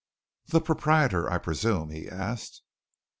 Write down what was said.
"The proprietor, I presume?" he asked.